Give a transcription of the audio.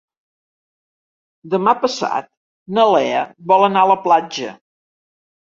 Demà passat na Lea vol anar a la platja.